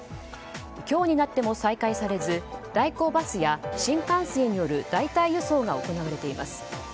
今日になっても再開されず代行バスや、新幹線による代替輸送が行われています。